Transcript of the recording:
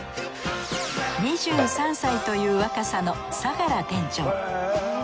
２３歳という若さの相良店長